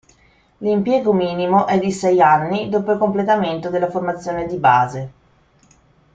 L'impiego minimo è di sei anni dopo il completamento della formazione di base.